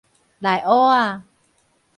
內挖仔